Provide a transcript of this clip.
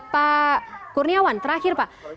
pak kurniawan terakhir pak